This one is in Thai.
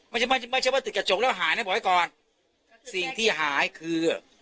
ไม่ใช่ไม่ใช่ว่าติดกระจกแล้วหายนะบอกไว้ก่อนสิ่งที่หายคือ